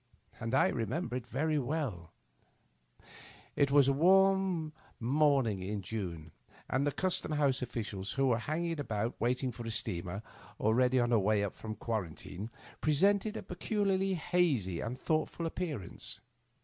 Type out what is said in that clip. I remember it very well; it was a warm morning in June, and the Custom House oflGicials, who were hanging about waiting for a steamer already on her way up from the Quarantine, presented a pecul iarly hazy and thoughtful appearance.